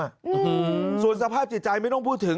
อืมส่วนสภาพจิตใจไม่ต้องพูดถึง